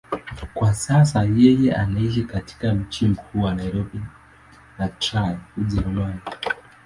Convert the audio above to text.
Kwa sasa yeye anaishi katika mji mkuu wa Nairobi na Trier, Ujerumani.